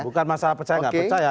bukan masalah percaya nggak percaya